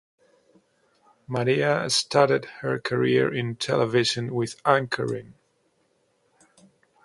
Maria started her career in television with anchoring.